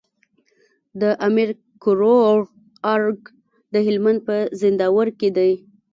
د امير کروړ ارګ د هلمند په زينداور کي دی